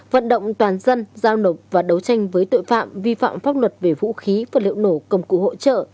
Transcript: vận động toàn dân giao nộp và đấu tranh với tội phạm vi phạm pháp luật về vũ khí vật liệu nổ công cụ hỗ trợ